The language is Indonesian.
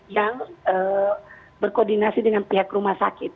yang berkoordinasi dengan pihak rumah sakit